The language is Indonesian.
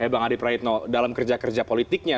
bang adi praitno dalam kerja kerja politiknya